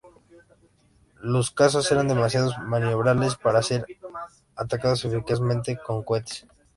Los cazas eran demasiado maniobrables para ser atacados eficazmente con cohetes.